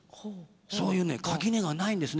そういうね垣根がないんですね。